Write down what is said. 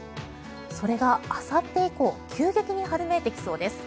それがあさって以降急激に春めいてきそうです。